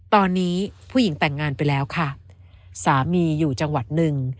ตอนนี้ผู้หญิงแต่งงานไปแล้วค่ะสามีอยู่จังหวัดหนึ่ง